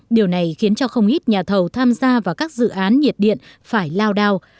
điều này khiến cho không ít nhà thầu tham gia vào các dự án nhiệt điện phải lao đao